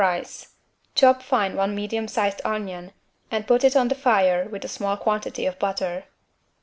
rice; chop fine one medium sized onion and put it on the fire with a small quantity of butter.